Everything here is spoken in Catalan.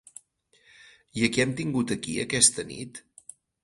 I a qui hem tingut aquí aquesta nit?